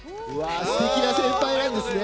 すてきな先輩なんですね。